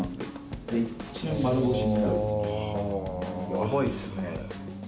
やばいっすね。